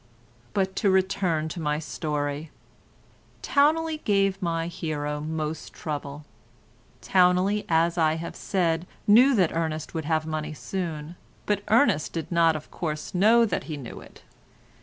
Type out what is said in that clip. But to return to my story. Towneley gave my hero most trouble. Towneley, as I have said, knew that Ernest would have money soon, but Ernest did not of course know that he knew it.